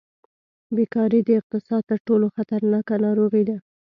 بېکاري د اقتصاد تر ټولو خطرناکه ناروغي ده.